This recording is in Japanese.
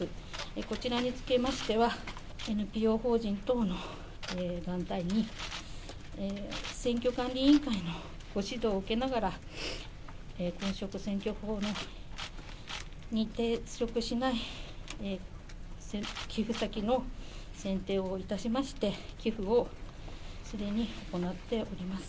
こちらにつきましては、ＮＰＯ法人等の団体に、選挙管理委員会のご指導を受けながら、公職選挙法に抵触しない寄付先の選定をいたしまして、寄付をすでに行っております。